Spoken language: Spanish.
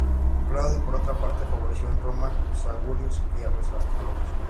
Claudio, por otra parte, favoreció en Roma los augurios y a los astrólogos.